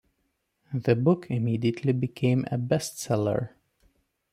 The book immediately became a best-seller.